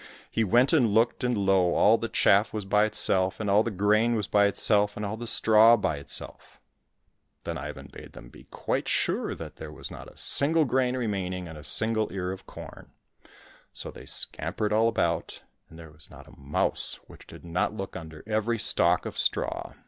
He went and looked, and lo ! all the chaff was by itself, and all the grain was by itself, and all the straw by itself ! Then Ivan bade them be quite sure that there was not a single grain remaining in a single ear of corn. So they scampered all about, and there was not a mouse which did not look under every stalk of straw.